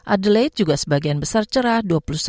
adelaide juga sebagian besar cerah dua puluh satu